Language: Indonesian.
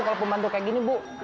kalau pembantu kayak gini bu